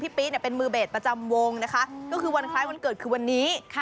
ปี๊ดเป็นมือเบสประจำวงนะคะก็คือวันคล้ายวันเกิดคือวันนี้